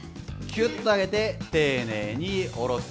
きゅっと上げて丁寧に下ろす。